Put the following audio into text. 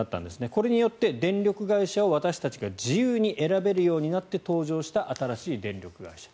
これによって電力会社を私たちが自由に選べるようになって登場した新しい電力会社。